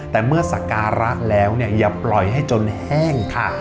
แต่เมื่อสักการะแล้วเนี่ยอย่าปล่อยให้จนแห้งค่ะ